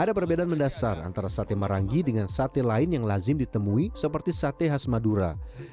ada perbedaan mendasar antara sate marangi dengan sate lain yang lazim ditemui seperti sate khas madura